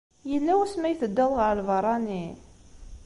Yella wasmi ay teddiḍ ɣer lbeṛṛani?